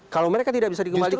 kalau mereka tidak bisa dikembalikan